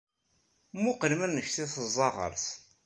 Muqqel mennect i teẓẓa ɣefs.